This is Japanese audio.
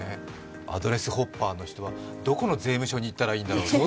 アドレスホッパーの人はどこの税務署に行ったらいいんだろう